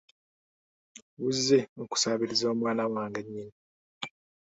Buzze okusabiriza omwana wange nnyini!